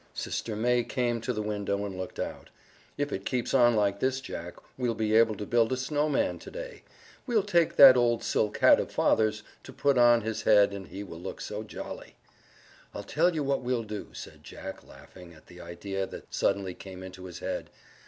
Sister May came to the window and looked out. "If it keeps on like this, Jack, we'll be able to build a snowman today. We'll take that old silk hat of father's to put on his head and he will look so jolly." "I'll tell you what we'll do," said Jack laughing at the idea that suddenly came into his head.